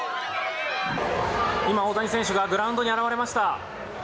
今、大谷選手がグラウンドに現れました。